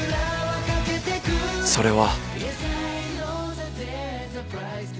それは